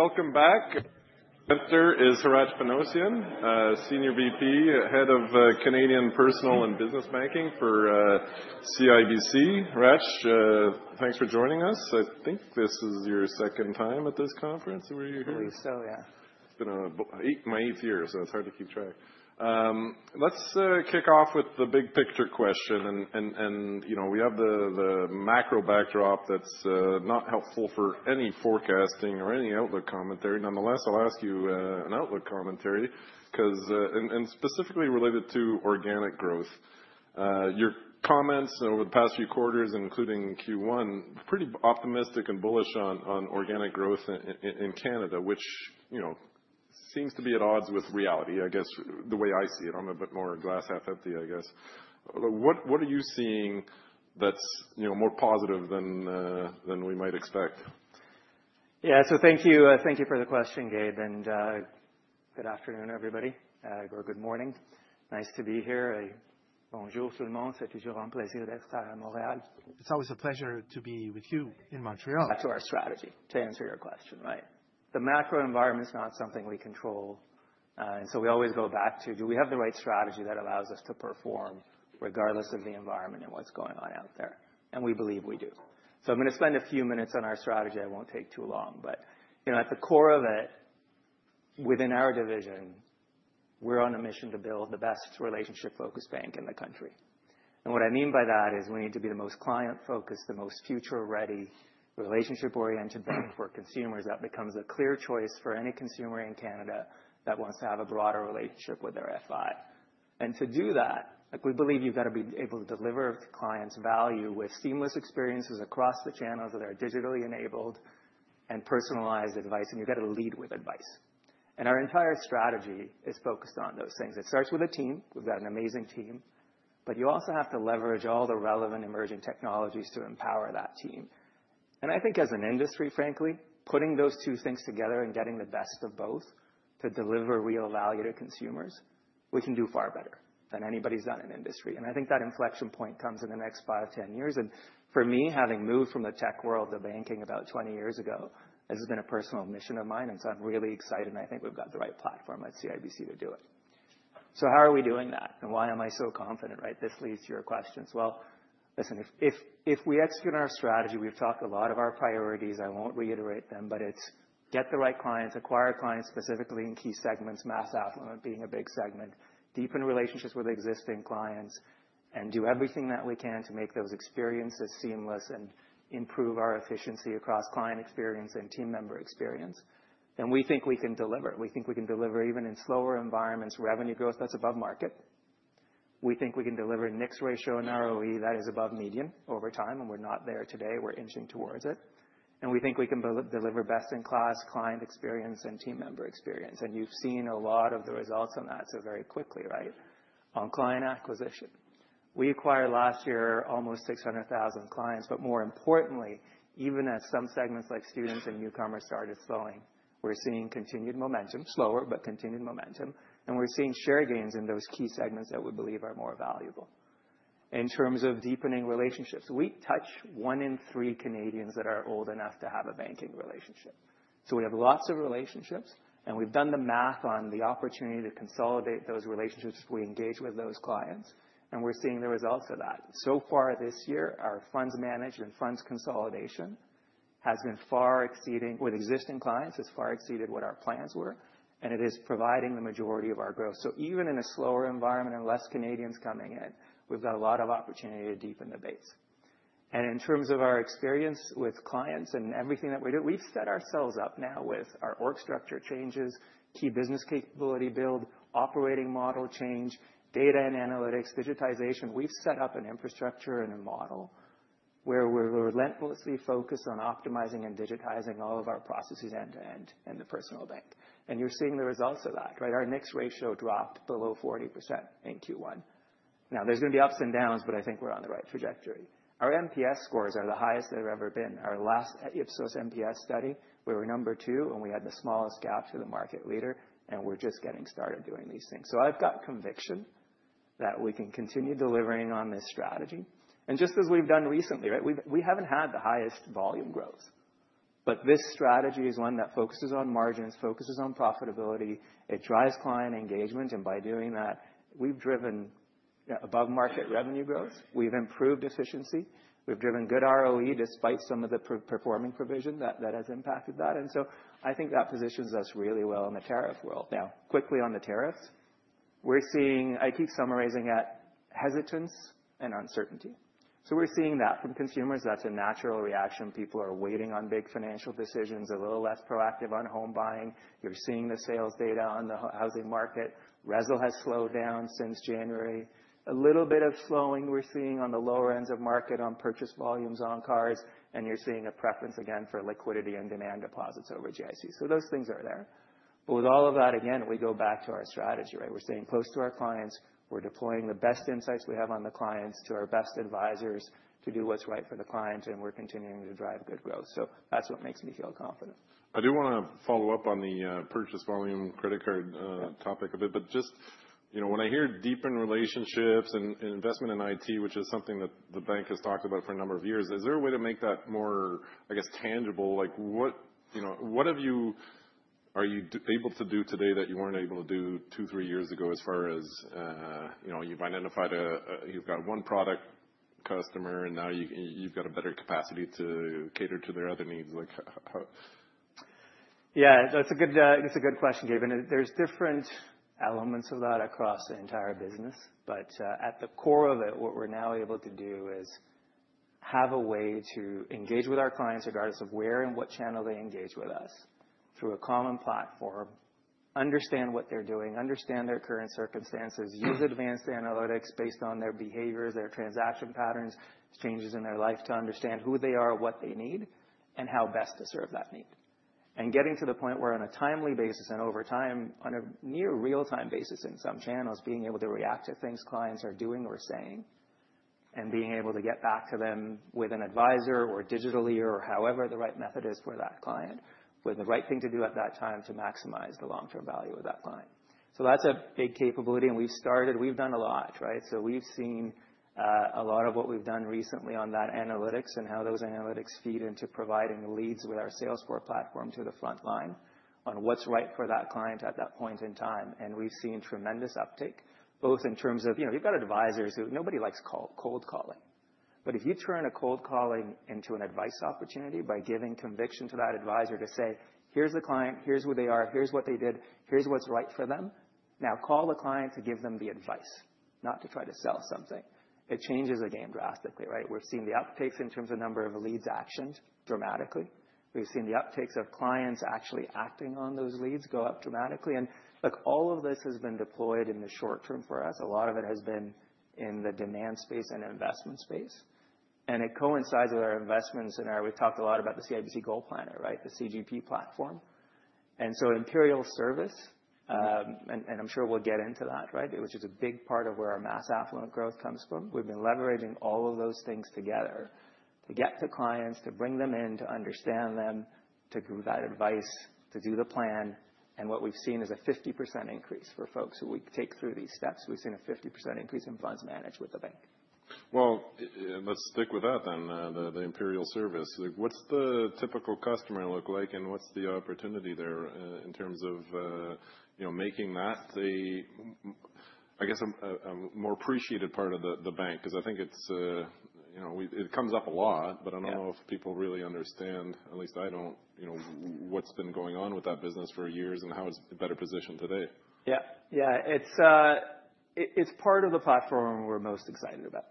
Welcome back. Mr. Hratch Panossian, Senior VP, Head of Canadian Personal and Business Banking for CIBC. Hratch, thanks for joining us. I think this is your second time at this conference, or were you here? I believe so, yeah. It's been my eighth year, so it's hard to keep track. Let's kick off with the big picture question. We have the macro backdrop that's not helpful for any forecasting or any outlook commentary. Nonetheless, I'll ask you an outlook commentary because, and specifically related to organic growth. Your comments over the past few quarters, including Q1, were pretty optimistic and bullish on organic growth in Canada, which seems to be at odds with reality, I guess, the way I see it. I'm a bit more glass half empty, I guess. What are you seeing that's more positive than we might expect? Yeah, thank you for the question, Gabe, and good afternoon, everybody, or good morning. Nice to be here. Bonjour tout le monde, c'est toujours un plaisir d'être à Montréal. It's always a pleasure to be with you in Montreal. To our strategy, to answer your question, right? The macro environment is not something we control. We always go back to, do we have the right strategy that allows us to perform regardless of the environment and what's going on out there? We believe we do. I'm going to spend a few minutes on our strategy. I won't take too long. At the core of it, within our division, we're on a mission to build the best relationship-focused bank in the country. What I mean by that is we need to be the most client-focused, the most future-ready, relationship-oriented bank for consumers that becomes a clear choice for any consumer in Canada that wants to have a broader relationship with their FI. To do that, we believe you've got to be able to deliver clients value with seamless experiences across the channels that are digitally enabled and personalized advice, and you've got to lead with advice. Our entire strategy is focused on those things. It starts with a team. We've got an amazing team. You also have to leverage all the relevant emerging technologies to empower that team. I think as an industry, frankly, putting those two things together and getting the best of both to deliver real value to consumers, we can do far better than anybody's done in industry. I think that inflection point comes in the next 5-10 years. For me, having moved from the tech world to banking about 20 years ago, this has been a personal mission of mine. I'm really excited, and I think we've got the right platform at CIBC to do it. How are we doing that? Why am I so confident, right? This leads to your questions. Listen, if we execute on our strategy, we've talked a lot of our priorities. I won't reiterate them, but it's get the right clients, acquire clients specifically in key segments, mass affluent being a big segment, deepen relationships with existing clients, and do everything that we can to make those experiences seamless and improve our efficiency across client experience and team member experience. We think we can deliver. We think we can deliver even in slower environments, revenue growth that's above market. We think we can deliver Nix ratio in our OE that is above median over time, and we're not there today. We're inching towards it. We think we can deliver best in class client experience and team member experience. You have seen a lot of the results on that very quickly, right, on client acquisition. We acquired last year almost 600,000 clients. More importantly, even as some segments like students and newcomers started slowing, we are seeing continued momentum, slower, but continued momentum. We are seeing share gains in those key segments that we believe are more valuable. In terms of deepening relationships, we touch 1 in 3 Canadians that are old enough to have a banking relationship. We have lots of relationships, and we have done the math on the opportunity to consolidate those relationships if we engage with those clients. We are seeing the results of that. So far this year, our funds managed and funds consolidation with existing clients has far exceeded what our plans were. It is providing the majority of our growth. Even in a slower environment and less Canadians coming in, we've got a lot of opportunity to deepen the base. In terms of our experience with clients and everything that we do, we've set ourselves up now with our org structure changes, key business capability build, operating model change, data and analytics, digitization. We've set up an infrastructure and a model where we're relentlessly focused on optimizing and digitizing all of our processes end to end in the personal bank. You're seeing the results of that, right? Our Nix ratio dropped below 40% in Q1. Now, there's going to be ups and downs, but I think we're on the right trajectory. Our NPS scores are the highest they've ever been. Our last Ipsos MPS study, we were number two, and we had the smallest gap to the market leader. We're just getting started doing these things. I've got conviction that we can continue delivering on this strategy. Just as we've done recently, right, we haven't had the highest volume growth. This strategy is one that focuses on margins, focuses on profitability. It drives client engagement. By doing that, we've driven above market revenue growth. We've improved efficiency. We've driven good ROE despite some of the performing provision that has impacted that. I think that positions us really well in the tariff world. Now, quickly on the tariffs, I keep summarizing it as hesitance and uncertainty. We're seeing that from consumers. That's a natural reaction. People are waiting on big financial decisions, a little less proactive on home buying. You're seeing the sales data on the housing market. Resale has slowed down since January. A little bit of slowing we're seeing on the lower ends of market on purchase volumes on cars. You're seeing a preference again for liquidity and demand deposits over GIC. Those things are there. With all of that, again, we go back to our strategy, right? We're staying close to our clients. We're deploying the best insights we have on the clients to our best advisors to do what's right for the client. We're continuing to drive good growth. That is what makes me feel confident. I do want to follow up on the purchase volume credit card topic a bit. Just when I hear deepen relationships and investment in IT, which is something that the bank has talked about for a number of years, is there a way to make that more, I guess, tangible? What are you able to do today that you were not able to do 2, 3 years ago as far as you have identified you have got one product customer, and now you have got a better capacity to cater to their other needs? Yeah, that's a good question, Gabe. There's different elements of that across the entire business. At the core of it, what we're now able to do is have a way to engage with our clients regardless of where and what channel they engage with us through a common platform, understand what they're doing, understand their current circumstances, use advanced analytics based on their behaviors, their transaction patterns, changes in their life to understand who they are, what they need, and how best to serve that need. Getting to the point where on a timely basis and over time, on a near real-time basis in some channels, being able to react to things clients are doing or saying and being able to get back to them with an advisor or digitally or however the right method is for that client, with the right thing to do at that time to maximize the long-term value of that client. That is a big capability. We have started, we have done a lot, right? We have seen a lot of what we have done recently on that analytics and how those analytics feed into providing leads with our Salesforce platform to the front line on what is right for that client at that point in time. We have seen tremendous uptake, both in terms of you have got advisors who nobody likes cold calling. If you turn a cold calling into an advice opportunity by giving conviction to that advisor to say, here's the client, here's who they are, here's what they did, here's what's right for them, now call the client to give them the advice, not to try to sell something, it changes the game drastically, right? We've seen the uptakes in terms of number of leads actioned dramatically. We've seen the uptakes of clients actually acting on those leads go up dramatically. Look, all of this has been deployed in the short term for us. A lot of it has been in the demand space and investment space. It coincides with our investment scenario. We talked a lot about the CIBC Gold Planner, the CGP platform. Imperial Service, and I'm sure we'll get into that, right, which is a big part of where our mass affluent growth comes from. We've been leveraging all of those things together to get to clients, to bring them in, to understand them, to give that advice, to do the plan. What we've seen is a 50% increase for folks who we take through these steps. We've seen a 50% increase in funds managed with the bank. Let's stick with that then, the Imperial Service. What's the typical customer look like? What's the opportunity there in terms of making that, I guess, a more appreciated part of the bank? I think it comes up a lot, but I don't know if people really understand, at least I don't, what's been going on with that business for years and how it's better positioned today. Yeah, yeah. It's part of the platform we're most excited about.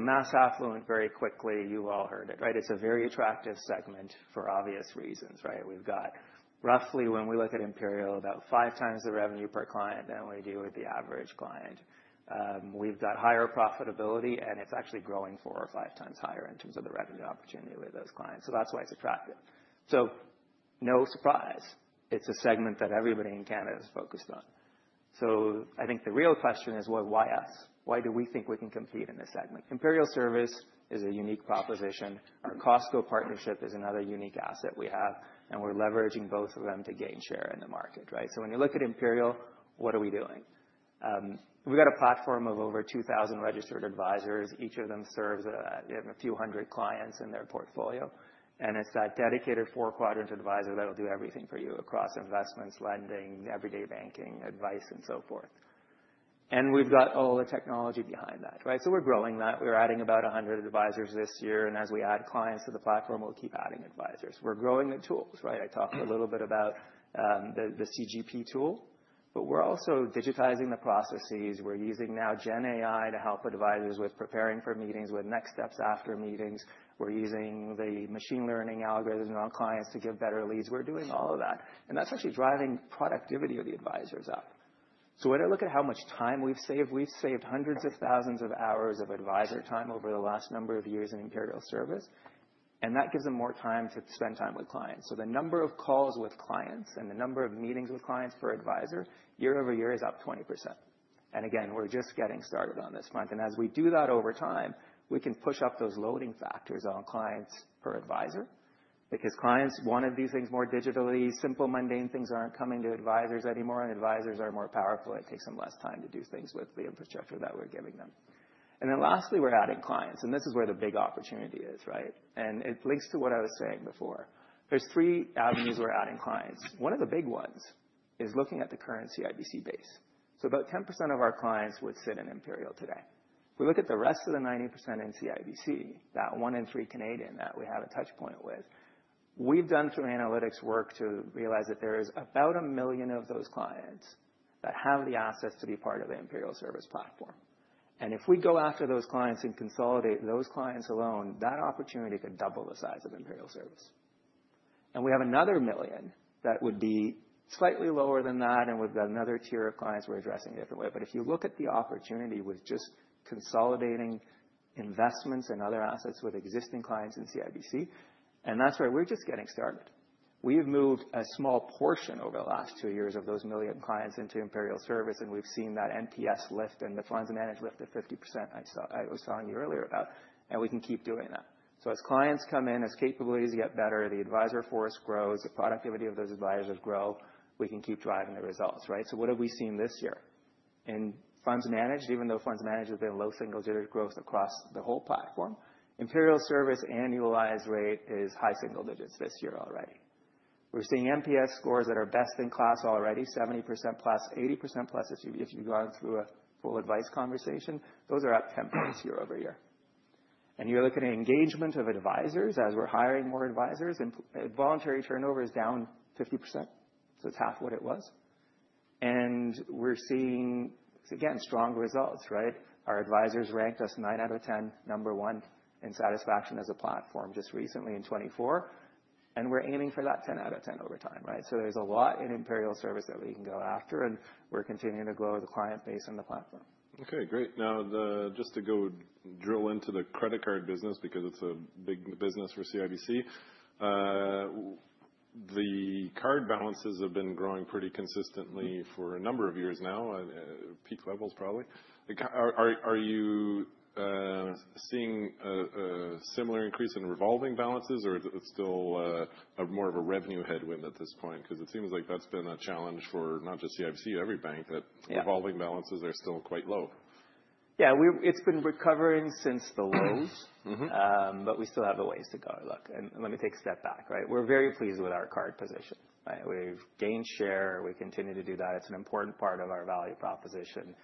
Mass affluent, very quickly, you all heard it, right? It's a very attractive segment for obvious reasons, right? We've got roughly, when we look at Imperial, about five times the revenue per client than we do with the average client. We've got higher profitability, and it's actually growing four or five times higher in terms of the revenue opportunity with those clients. That's why it's attractive. No surprise, it's a segment that everybody in Canada is focused on. I think the real question is, why us? Why do we think we can compete in this segment? Imperial Service is a unique proposition. Our Costco partnership is another unique asset we have. We're leveraging both of them to gain share in the market, right? When you look at Imperial, what are we doing? We've got a platform of over 2,000 registered advisors. Each of them serves a few hundred clients in their portfolio. It is that dedicated four-quadrant advisor that will do everything for you across investments, lending, everyday banking, advice, and so forth. We've got all the technology behind that, right? We're growing that. We're adding about 100 advisors this year. As we add clients to the platform, we'll keep adding advisors. We're growing the tools, right? I talked a little bit about the CIBC Gold Planner tool. We're also digitizing the processes. We're using now GenAI to help advisors with preparing for meetings, with next steps after meetings. We're using the machine learning algorithms on clients to give better leads. We're doing all of that. That is actually driving productivity of the advisors up. When I look at how much time we've saved, we've saved hundreds of thousands of hours of advisor time over the last number of years in Imperial Service. That gives them more time to spend time with clients. The number of calls with clients and the number of meetings with clients per advisor year over year is up 20%. Again, we're just getting started on this front. As we do that over time, we can push up those loading factors on clients per advisor because clients want to do things more digitally. Simple, mundane things are not coming to advisors anymore. Advisors are more powerful. It takes them less time to do things with the infrastructure that we're giving them. Lastly, we're adding clients. This is where the big opportunity is, right? It links to what I was saying before. are three avenues we are adding clients. One of the big ones is looking at the current CIBC base. About 10% of our clients would sit in Imperial today. If we look at the rest of the 90% in CIBC, that one in three Canadian that we have a touchpoint with, we have done through analytics work to realize that there is about 1 million of those clients that have the assets to be part of the Imperial Service platform. If we go after those clients and consolidate those clients alone, that opportunity could double the size of Imperial Service. We have another 1 million that would be slightly lower than that. We have another tier of clients we are addressing a different way. If you look at the opportunity with just consolidating investments and other assets with existing clients in CIBC, that is where we are just getting started. We've moved a small portion over the last two years of those million clients into Imperial Service. We've seen that NPS lift and the funds managed lift of 50% I was telling you earlier about. We can keep doing that. As clients come in, as capabilities get better, the advisor force grows, the productivity of those advisors grow, we can keep driving the results, right? What have we seen this year? In funds managed, even though funds managed has been low single digit growth across the whole platform, Imperial Service annualized rate is high single digits this year already. We're seeing NPS scores that are best in class already, 70% plus, 80% plus if you've gone through a full advice conversation. Those are up 10 points year over year. You're looking at engagement of advisors as we're hiring more advisors. Voluntary turnover is down 50%. It is half what it was. We are seeing, again, strong results, right? Our advisors ranked us 9 out of 10, number one in satisfaction as a platform just recently in 2024. We are aiming for that 10 out of 10 over time, right? There is a lot in Imperial Service that we can go after. We are continuing to grow the client base and the platform. Okay, great. Now, just to go drill into the credit card business, because it's a big business for CIBC, the card balances have been growing pretty consistently for a number of years now, peak levels probably. Are you seeing a similar increase in revolving balances, or is it still more of a revenue headwind at this point? Because it seems like that's been a challenge for not just CIBC, every bank, that revolving balances are still quite low. Yeah, it's been recovering since the lows. We still have a ways to go, look. Let me take a step back, right? We're very pleased with our card position, right? We've gained share. We continue to do that. It's an important part of our value proposition.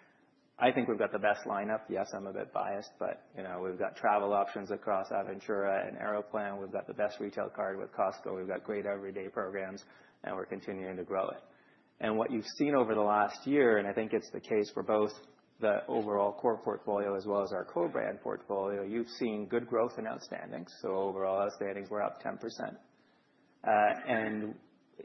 I think we've got the best lineup. Yes, I'm a bit biased, but we've got travel options across Aventura and Aeroplan. We've got the best retail card with Costco. We've got great everyday programs. We're continuing to grow it. What you've seen over the last year, and I think it's the case for both the overall core portfolio as well as our co-brand portfolio, you've seen good growth in outstandings. Overall outstandings, we're up 10%.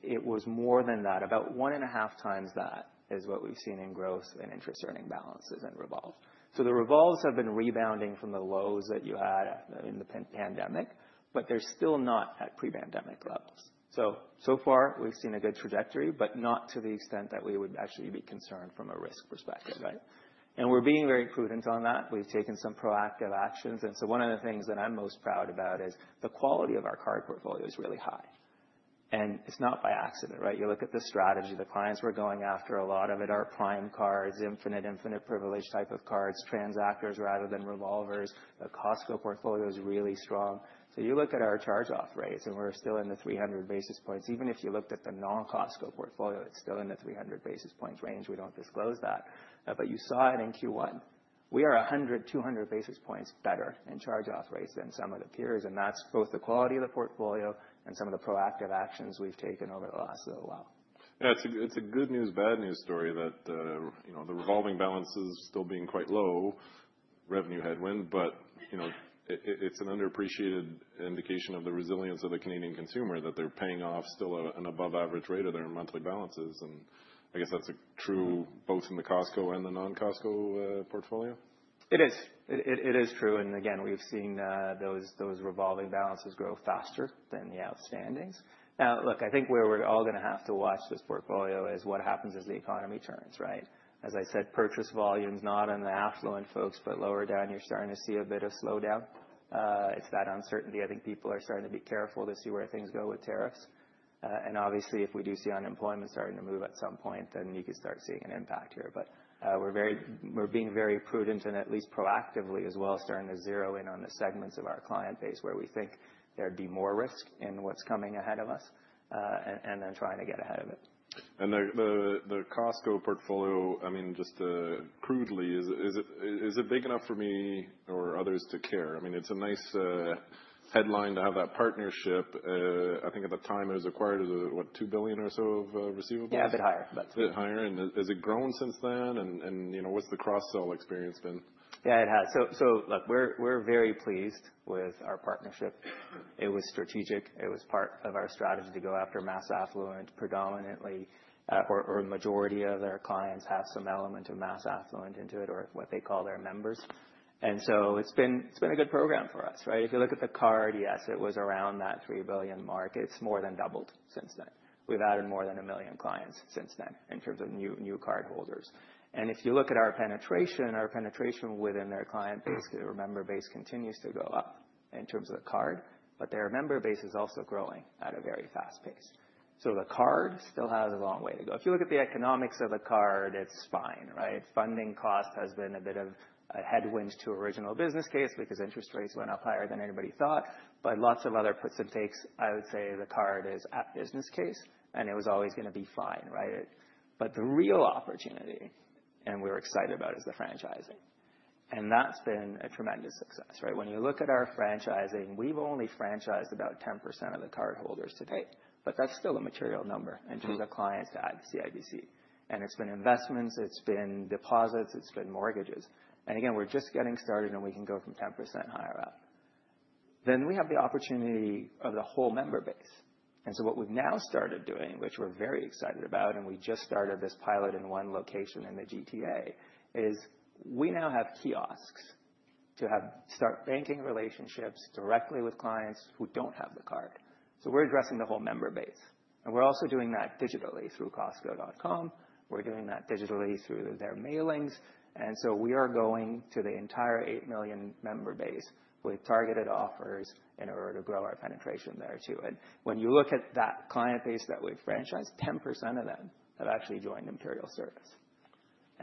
It was more than that. About one and a half times that is what we've seen in growth in interest earning balances and revolve. The revolves have been rebounding from the lows that you had in the pandemic, but they're still not at pre-pandemic levels. So far, we've seen a good trajectory, but not to the extent that we would actually be concerned from a risk perspective, right? We're being very prudent on that. We've taken some proactive actions. One of the things that I'm most proud about is the quality of our card portfolio is really high. It's not by accident, right? You look at the strategy, the clients we're going after, a lot of it are prime cards, infinite, infinite privilege type of cards, transactors rather than revolvers. The Costco portfolio is really strong. You look at our charge-off rates, and we're still in the 300 basis points. Even if you looked at the non-Costco portfolio, it's still in the 300 basis points range. We do not disclose that. You saw it in Q1. We are 100-200 basis points better in charge-off rates than some of the peers. That is both the quality of the portfolio and some of the proactive actions we have taken over the last little while. Yeah, it's a good news, bad news story that the revolving balance is still being quite low, revenue headwind. It's an underappreciated indication of the resilience of the Canadian consumer that they're paying off still an above-average rate of their monthly balances. I guess that's true both in the Costco and the Non-Costco portfolio. It is. It is true. Again, we've seen those revolving balances grow faster than the outstandings. Now, look, I think where we're all going to have to watch this portfolio is what happens as the economy turns, right? As I said, purchase volumes, not on the affluent folks, but lower down, you're starting to see a bit of slowdown. It's that uncertainty. I think people are starting to be careful to see where things go with tariffs. Obviously, if we do see unemployment starting to move at some point, you could start seeing an impact here. We're being very prudent and at least proactively as well starting to zero in on the segments of our client base where we think there'd be more risk in what's coming ahead of us and then trying to get ahead of it. The Costco portfolio, I mean, just crudely, is it big enough for me or others to care? I mean, it's a nice headline to have that partnership. I think at the time it was acquired as, what, $2 billion or so of receivables? Yeah, a bit higher, but. A bit higher. Has it grown since then? What's the cross-sell experience been? Yeah, it has. Look, we're very pleased with our partnership. It was strategic. It was part of our strategy to go after mass affluent predominantly, or a majority of their clients have some element of mass affluent into it, or what they call their members. It has been a good program for us, right? If you look at the card, yes, it was around that $3 billion mark. It has more than doubled since then. We've added more than a million clients since then in terms of new cardholders. If you look at our penetration, our penetration within their client base, their member base continues to go up in terms of the card. Their member base is also growing at a very fast pace. The card still has a long way to go. If you look at the economics of the card, it's fine, right? Funding cost has been a bit of a headwind to original business case because interest rates went up higher than anybody thought. Lots of other puts and takes, I would say the card is at business case. It was always going to be fine, right? The real opportunity, and we were excited about, is the franchising. That has been a tremendous success, right? When you look at our franchising, we've only franchised about 10% of the cardholders to date. That is still a material number in terms of clients to add to CIBC. It has been investments. It has been deposits. It has been mortgages. Again, we're just getting started, and we can go from 10% higher up. We have the opportunity of the whole member base. What we've now started doing, which we're very excited about, and we just started this pilot in one location in the GTA, is we now have kiosks to start banking relationships directly with clients who do not have the card. We are addressing the whole member base. We are also doing that digitally through Costco.com. We are doing that digitally through their mailings. We are going to the entire 8 million member base with targeted offers in order to grow our penetration there too. When you look at that client base that we've franchised, 10% of them have actually joined Imperial Service.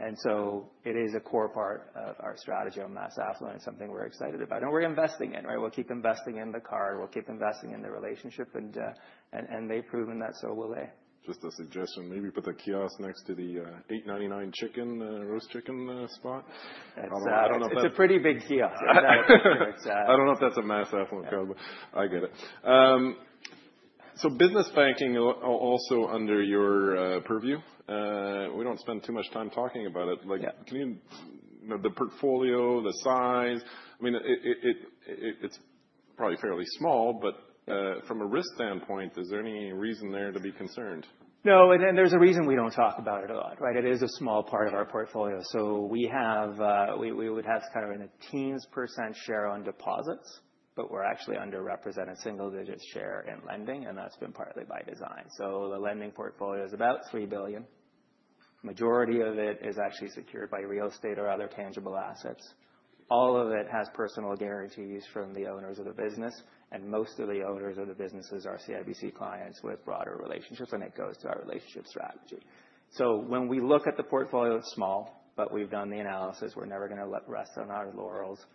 It is a core part of our strategy on mass affluence, something we're excited about. We are investing in it, right? We'll keep investing in the card. We'll keep investing in the relationship. They have proven that so will they. Just a suggestion. Maybe put the kiosk next to the $8.99 chicken, roast chicken spot. It's a pretty big kiosk. I don't know if that's a mass affluent card, but I get it. Business banking also under your purview. We don't spend too much time talking about it. Can you, the portfolio, the size? I mean, it's probably fairly small, but from a risk standpoint, is there any reason there to be concerned? No, and there's a reason we don't talk about it a lot, right? It is a small part of our portfolio. We would have kind of a teens % share on deposits, but we're actually underrepresented, single digit % share in lending. That's been partly by design. The lending portfolio is about $3 billion. Majority of it is actually secured by real estate or other tangible assets. All of it has personal guarantees from the owners of the business. Most of the owners of the businesses are CIBC clients with broader relationships. It goes to our relationship strategy. When we look at the portfolio, it's small, but we've done the analysis. We're never going to rest on our laurels.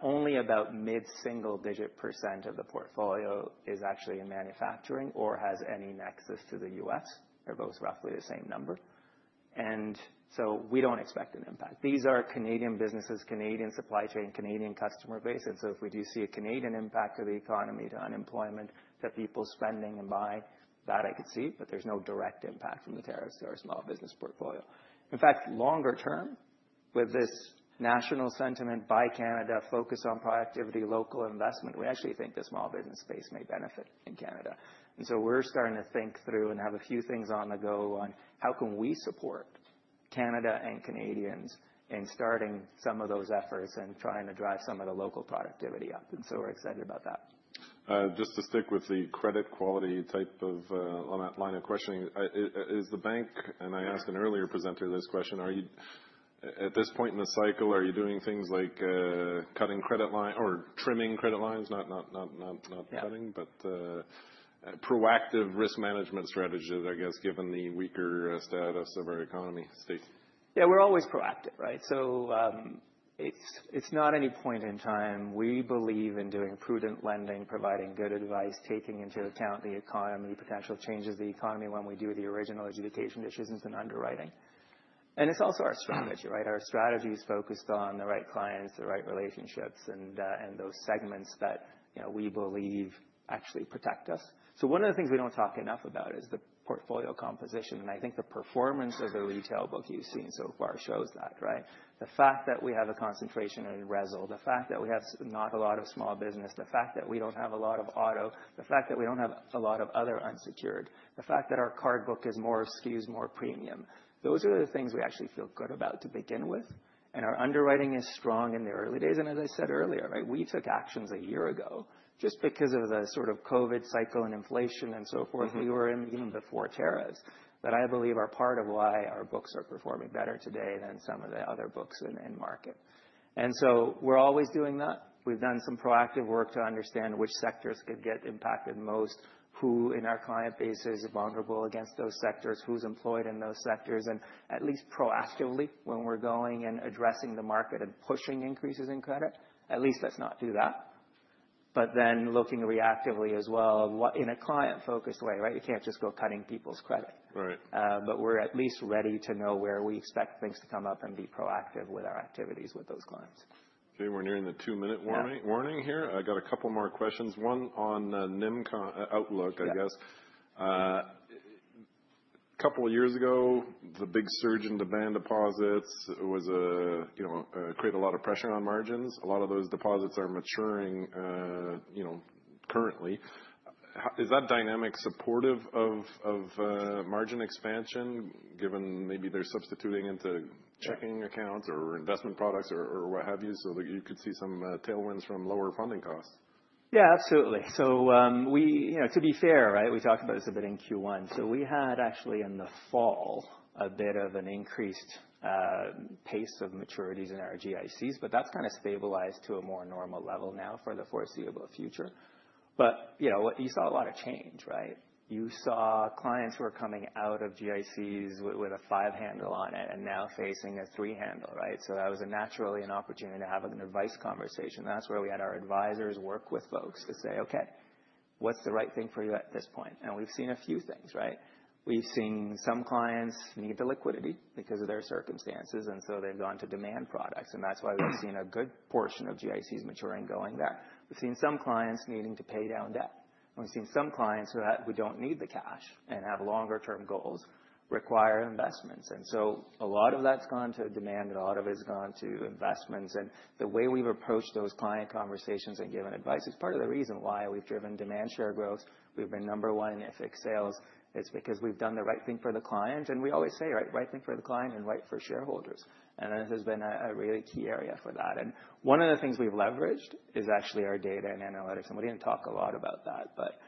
Only about mid-single digit % of the portfolio is actually in manufacturing or has any nexus to the U.S. They're both roughly the same number. We do not expect an impact. These are Canadian businesses, Canadian supply chain, Canadian customer base. If we do see a Canadian impact to the economy, to unemployment, to people spending and buying, that I could see. There is no direct impact from the tariffs to our small business portfolio. In fact, longer term, with this national sentiment by Canada focused on productivity, local investment, we actually think the small business base may benefit in Canada. We are starting to think through and have a few things on the go on how we can support Canada and Canadians in starting some of those efforts and trying to drive some of the local productivity up. We are excited about that. Just to stick with the credit quality type of line of questioning, is the bank, and I asked an earlier presenter this question, at this point in the cycle, are you doing things like cutting credit line or trimming credit lines? Not cutting, but proactive risk management strategies, I guess, given the weaker status of our economy state. Yeah, we're always proactive, right? It's not any point in time. We believe in doing prudent lending, providing good advice, taking into account the economy, potential changes to the economy when we do the original adjudication decisions and underwriting. It's also our strategy, right? Our strategy is focused on the right clients, the right relationships, and those segments that we believe actually protect us. One of the things we do not talk enough about is the portfolio composition. I think the performance of the retail book you have seen so far shows that, right? The fact that we have a concentration in Resil, the fact that we do not have a lot of small business, the fact that we do not have a lot of auto, the fact that we do not have a lot of other unsecured, the fact that our card book is more skewed, more premium. Those are the things we actually feel good about to begin with. Our underwriting is strong in the early days. As I said earlier, right, we took actions a year ago just because of the sort of COVID cycle and inflation and so forth. We were in even before tariffs that I believe are part of why our books are performing better today than some of the other books in market. We are always doing that. We have done some proactive work to understand which sectors could get impacted most, who in our client base is vulnerable against those sectors, who is employed in those sectors. At least proactively, when we are going and addressing the market and pushing increases in credit, at least let's not do that. Looking reactively as well in a client-focused way, right? You can't just go cutting people's credit. We're at least ready to know where we expect things to come up and be proactive with our activities with those clients. Okay, we're nearing the two-minute warning here. I got a couple more questions. One on outlook, I guess. A couple of years ago, the big surge into band deposits created a lot of pressure on margins. A lot of those deposits are maturing currently. Is that dynamic supportive of margin expansion, given maybe they're substituting into checking accounts or investment products or what have you so that you could see some tailwinds from lower funding costs? Yeah, absolutely. To be fair, right, we talked about this a bit in Q1. We had actually in the fall a bit of an increased pace of maturities in our GICs. That has kind of stabilized to a more normal level now for the foreseeable future. You saw a lot of change, right? You saw clients who were coming out of GICs with a five handle on it and now facing a three handle, right? That was naturally an opportunity to have an advice conversation. That is where we had our advisors work with folks to say, "Okay, what's the right thing for you at this point?" We have seen a few things, right? We have seen some clients need the liquidity because of their circumstances. They have gone to demand products. That is why we have seen a good portion of GICs maturing going there. We've seen some clients needing to pay down debt. We've seen some clients who don't need the cash and have longer-term goals require investments. A lot of that's gone to demand, and a lot of it's gone to investments. The way we've approached those client conversations and given advice is part of the reason why we've driven demand share growth. We've been number one in IFIC sales. It's because we've done the right thing for the client. We always say, right thing for the client and right for shareholders. This has been a really key area for that. One of the things we've leveraged is actually our data and analytics. We didn't talk a lot about that, but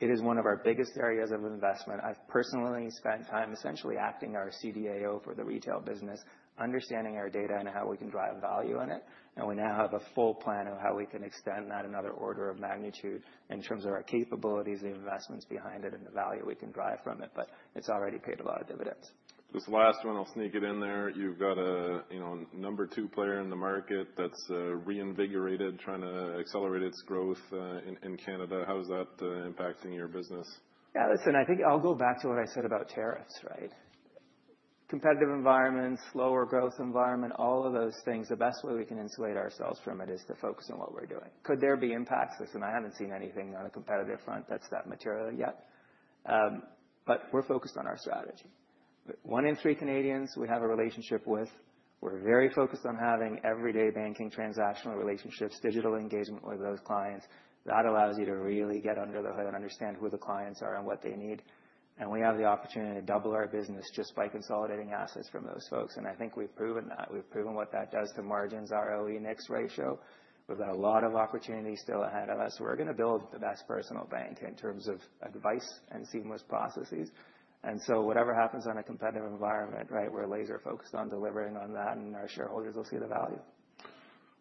it is one of our biggest areas of investment. I've personally spent time essentially acting our CDAO for the retail business, understanding our data and how we can drive value in it. We now have a full plan of how we can extend that another order of magnitude in terms of our capabilities, the investments behind it, and the value we can drive from it. It's already paid a lot of dividends. This last one, I'll sneak it in there. You've got a number two player in the market that's reinvigorated, trying to accelerate its growth in Canada. How is that impacting your business? Yeah, listen, I think I'll go back to what I said about tariffs, right? Competitive environments, slower growth environment, all of those things. The best way we can insulate ourselves from it is to focus on what we're doing. Could there be impacts? Listen, I haven't seen anything on a competitive front that's that material yet. We're focused on our strategy. One in three Canadians we have a relationship with. We're very focused on having everyday banking transactional relationships, digital engagement with those clients. That allows you to really get under the hood and understand who the clients are and what they need. We have the opportunity to double our business just by consolidating assets from those folks. I think we've proven that. We've proven what that does to margins, ROE, NIX ratio. We've got a lot of opportunity still ahead of us. We're going to build the best personal bank in terms of advice and seamless processes. Whatever happens on a competitive environment, right, we're laser-focused on delivering on that. Our shareholders will see the value.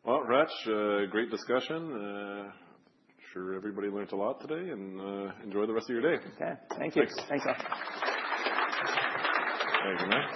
Hratch, great discussion. I'm sure everybody learned a lot today. Enjoy the rest of your day. Okay, thank you. Thanks, all. Thank you.